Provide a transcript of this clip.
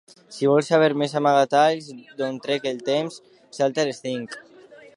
Si vols saber més amagatalls d'on trec el temps, salta a les cinc.